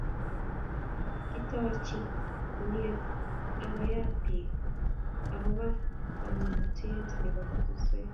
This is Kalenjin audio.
kikitoorchini kunet ak koyaat biik akobo komonutie nebo kotoswek